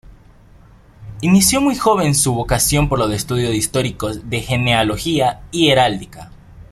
Inició muy joven su vocación por los estudios históricos de genealogía y heráldica.